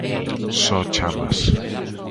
Só chamas.